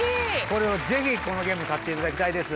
これをぜひこのゲームに勝っていただきたいです。